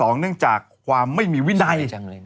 เนื่องจากความไม่มีวินัย